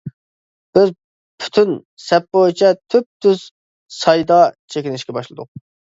بىز پۈتۈن سەپ بويىچە تۈپتۈز سايدا چېكىنىشكە باشلىدۇق.